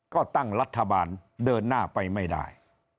ก็ตั้งรัฐบาลเดินหน้าไปไม่ได้